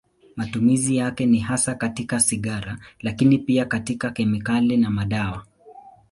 Matumizi yake ni hasa katika sigara, lakini pia katika kemikali na madawa.